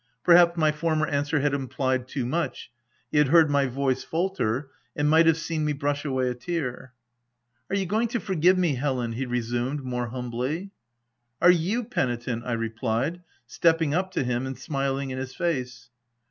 Perhaps, my former answer had implied too much : he had heard my voice falter, and might have seen me brush away a tear. e * Are you going to forgive me, Helen ?'' he resumed, more humbly. " Are you penitent !" I replied, stepping up to him and smiling in his face.